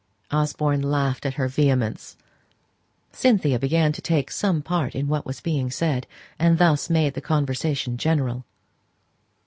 Osborne laughed at her vehemence. Cynthia began to take some part in what was being said, and thus made the conversation general.